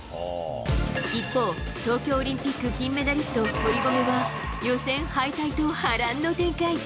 一方、東京オリンピック金メダリスト、堀米は予選敗退と、波乱の展開。